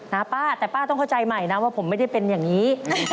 นะป้าแต่ป้าต้องเข้าใจใหม่นะว่าผมไม่ได้เป็นอย่างนี้